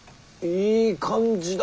いい感じだ。